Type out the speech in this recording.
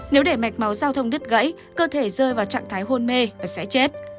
nếu để mạch máu giao thông đứt gãy cơ thể rơi vào trạng thái hôn mê và sẽ chết